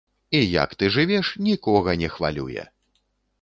І як ты жывеш, нікога не хвалюе!